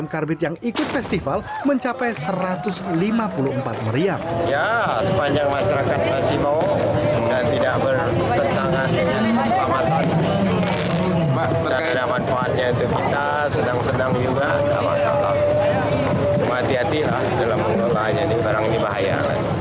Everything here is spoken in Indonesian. hati hatilah dalam mengelola ini barang ini bahaya